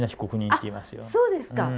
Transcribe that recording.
あっそうですか。